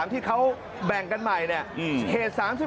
ที่เขาแบ่งกันใหม่เนี่ย